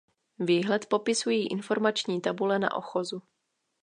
Výhled popisují informační tabule na ochozu.